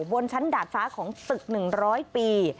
บนชั้นดาดฟ้าของตึก๑๐๐ปี